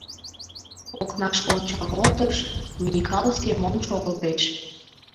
Окнашке ончал колтыш — Микал Семон шогылтеш.